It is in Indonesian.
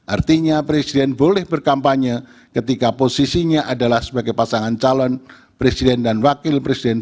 artinya presiden boleh berkampanye ketika posisinya adalah sebagai pasangan calon presiden dan wakil presiden